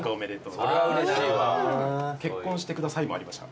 「結婚してください」もありました。